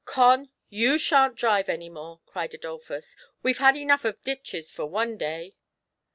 "Con, you shan't drive any more," cried Adolphus ;'* we've had enough of ditches for one day."